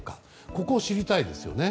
ここ、知りたいですよね。